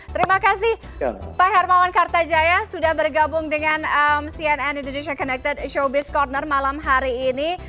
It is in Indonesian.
terima kasih pak hermawan kartajaya sudah bergabung dengan cnn indonesia connected showbiz corner malam hari ini